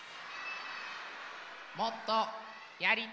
もっとやりたい？